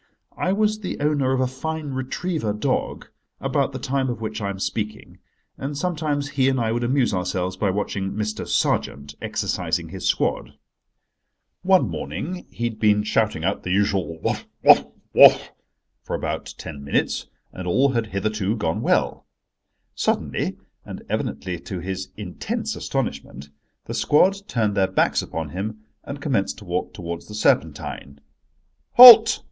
I was the owner of a fine retriever dog about the time of which I am speaking, and sometimes he and I would amuse ourselves by watching Mr. Sergeant exercising his squad. One morning he had been shouting out the usual "Whough, whough, whough!" for about ten minutes, and all had hitherto gone well. Suddenly, and evidently to his intense astonishment, the squad turned their backs upon him and commenced to walk towards the Serpentine. "Halt!"